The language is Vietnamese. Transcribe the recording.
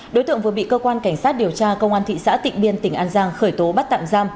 đối tượng vừa bị cơ quan cảnh sát điều tra công an thị xã tịnh biên tỉnh an giang khởi tố bắt tạm giam